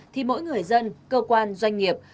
thì mỗi người dân cơ quan doanh nghiệp